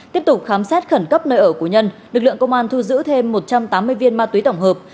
tiếp tục khám xét khẩn cấp nơi ở của nhân lực lượng công an thu giữ thêm một trăm tám mươi viên ma túy tổng hợp